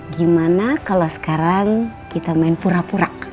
gimana kalau sekarang kita main pura pura